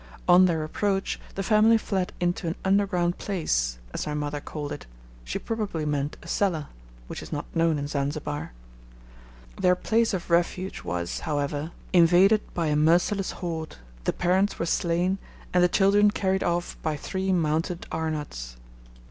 On their approach, the family fled into an underground place, as my mother called it she probably meant a cellar, which is not known in Zanzibar. Their place of refuge was, however, invaded by a merciless horde, the parents were slain, and the children carried off by three mounted Arnauts.